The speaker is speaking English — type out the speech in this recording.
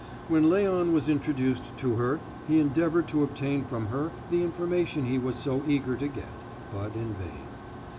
When Léon was introduced to her he endeavored to obtain from her the information he was so eager to get, but in vain.